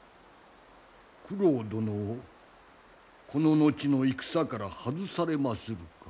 九郎殿をこの後の戦から外されまするか？